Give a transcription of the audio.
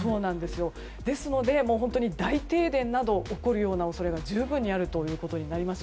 ですので大停電など起こる恐れが十分にあるということになります。